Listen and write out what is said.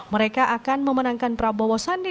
mereka akan memenangkan prabowo sandi